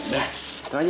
udah itu aja ya